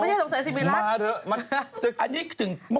ไม่ใช่๒๔๐มาเหรอ